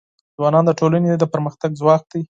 ځوانان د ټولنې د پرمختګ ځواک دی.